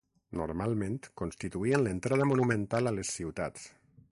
Normalment constituïen l'entrada monumental a les ciutats.